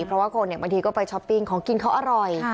เพราะว่าคนบางทีก็ไปช้อปปิ้งของกินเขาอร่อย